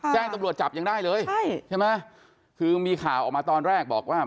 แจ้งตำรวจจับยังได้เลยใช่ใช่ไหมคือมีข่าวออกมาตอนแรกบอกว่า